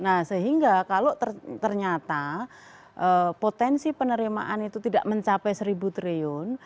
nah sehingga kalau ternyata potensi penerimaan itu tidak mencapai rp satu triliun